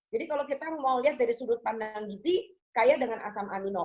jadi kalau kita mau lihat dari sudut pandang gizi kaya dengan asam amino